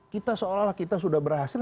kita seolah olah kita sudah berhasil